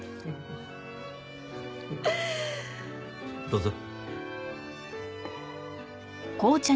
どうぞ。